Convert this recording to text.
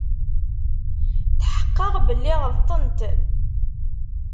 Tḥeqqeɣ belli ɣelṭen-t.